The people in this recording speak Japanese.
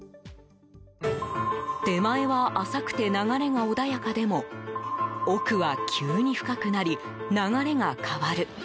手前は浅くて流れが穏やかでも奥は急に深くなり流れが変わる。